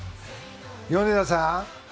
米田さん